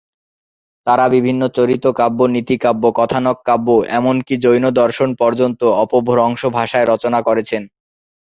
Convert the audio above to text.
তাঁরা বিভিন্ন চরিতকাব্য, নীতিকাব্য, কথানক কাব্য, এমনকি জৈনদর্শন পর্যন্ত অপভ্রংশ ভাষায় রচনা করেছেন।